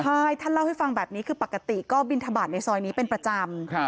ใช่ท่านเล่าให้ฟังแบบนี้คือปกติก็บินทบาทในซอยนี้เป็นประจำ